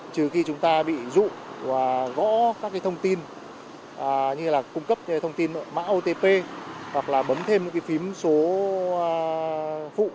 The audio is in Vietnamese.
trừ khi chúng ta bị dụ và gõ các thông tin như là cung cấp thông tin mã otp hoặc là bấm thêm những cái phím số phụ